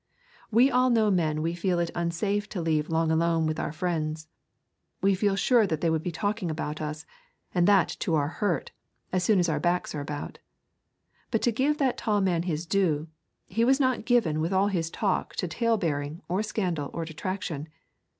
We all know men we feel it unsafe to leave long alone with our friends. We feel sure that they will be talking about us, and that to our hurt, as soon as our backs are about. But to give that tall man his due, he was not given with all his talk to tale bearing or scandal or detraction.